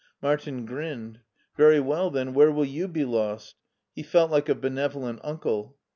Martin grinned. "Very well, then. Where will you be lost ?" He felt like a benevolent uncle.